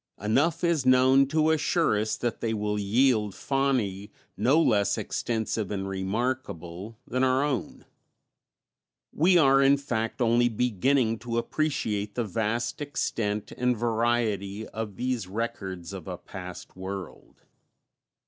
Enough is known to assure us that they will yield faunæ no less extensive and remarkable than our own. We are in fact only beginning to appreciate the vast extent and variety of these records of a past world.